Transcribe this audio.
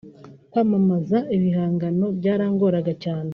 kwamamaza ibihangano byarangoraga cyane